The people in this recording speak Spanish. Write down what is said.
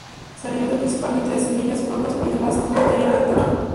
Se alimenta principalmente de semillas, frutos y demás materia vegetal.